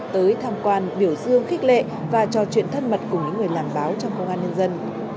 tới tham quan biểu dương khích lệ và trò chuyện thân mật cùng những người làm báo trong công an nhân dân